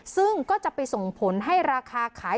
ซึ่งก็จะไปส่งผลให้ราคาขาย